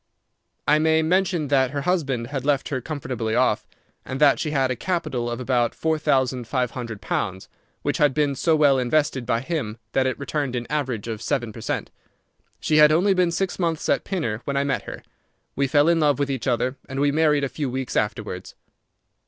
I may mention that her husband had left her comfortably off, and that she had a capital of about four thousand five hundred pounds, which had been so well invested by him that it returned an average of seven per cent. She had only been six months at Pinner when I met her; we fell in love with each other, and we married a few weeks afterwards.